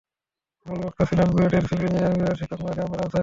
মূল বক্তা ছিলেন বুয়েটের সিভিল ইঞ্জিনিয়ারিং বিভাগের শিক্ষক মেহেদী আহমেদ আনসারী।